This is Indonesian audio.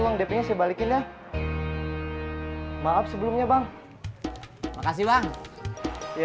emang depannya saya balikin ya maaf sebelumnya bang makasih bang iya